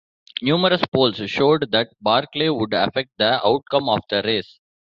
Numerous polls showed that Barkley would affect the outcome of the race.